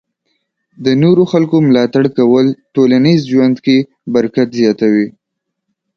د نورو خلکو ملاتړ کول ټولنیز ژوند کې برکت زیاتوي.